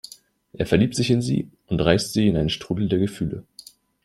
Er verliebt sich in sie und reißt sie in einen Strudel der Gefühle.